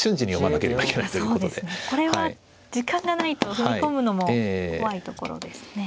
これは時間がないと踏み込むのも怖いところですね。